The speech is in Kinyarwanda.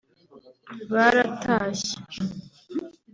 baratashye